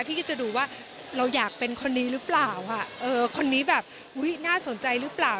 พี่จะดูว่าเราอยากเป็นคนนี้หรือเปล่าคนนี้แบบน่าสนใจหรือเปล่า